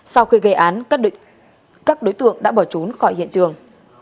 sau khi gây án các đối tượng đã bỏ trốn khỏi hiện trường